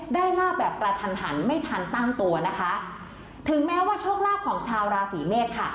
ลาบแบบกระทันหันไม่ทันตั้งตัวนะคะถึงแม้ว่าโชคลาภของชาวราศีเมษค่ะ